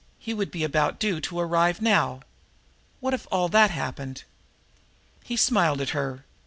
He would be about due to arrive now. What if all that happened?" He smiled at her.